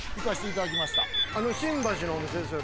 新橋のお店ですよ